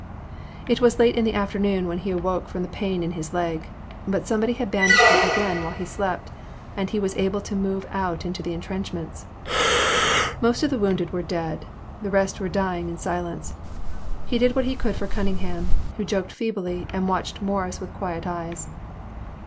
It was late in the afternoon when he awoke from the pain in his leg, but somebody had bandaged it again while he slept, and he was able to move out into the intrenchments. Most of the wounded were dead — the rest were dying in si lence. He did what he could for Cunningham who joked feebly and watched Morris with quiet eyes.